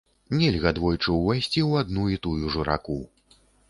Нельга двойчы ўвайсці ў адну і тую ж раку.